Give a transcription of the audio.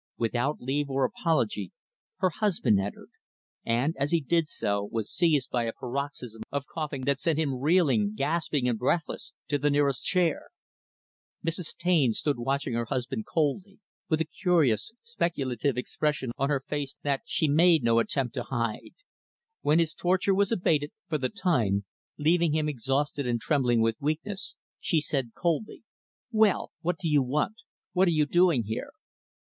Without leave or apology, her husband entered; and, as he did so, was seized by a paroxysm of coughing that sent him reeling, gasping and breathless, to the nearest chair. Mrs. Taine stood watching her husband coldly, with a curious, speculative expression on her face that she made no attempt to hide. When his torture was abated for the time leaving him exhausted and trembling with weakness, she said coldly, "Well, what do you want? What are you doing here?"